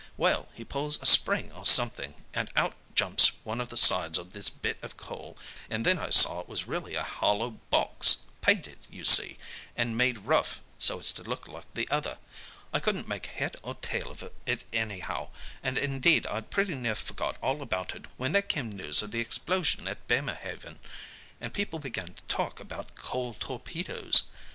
Well, he pulls a spring or something, and out jumps one of the sides of this bit of coal, and then I saw it was really a hollow box, painted, you see, and made rough so as to look like the other. I couldn't make head or tail of it anyhow, and indeed I'd pretty near forgot all about it when there came news of the explosion at Bemerhaven, and people began to talk about coal torpedoes.